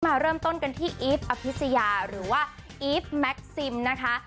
มาเริ่มต้นกันที่อีฟอภิษยาหรือว่าอีฟแม็กซิมนะคะ